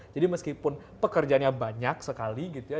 jadi meskipun pekerjaannya banyak sekali gitu ya